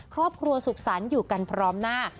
ครอบครัวสุขสรรค์อยู่กันพร้อมหน้า